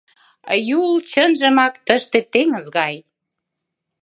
Юл, чынжымак, тыште теҥыз гай.